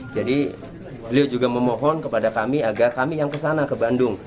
jadi beliau juga memohon kepada kami agar kami yang kesana ke bandung